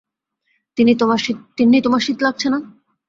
তিন্নি, তোমার শীত লাগছে না?